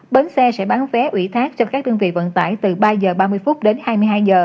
bến xe sẽ bán vé ủy thác cho các đơn vị vận tải từ ba h ba mươi phút đến hai mươi hai h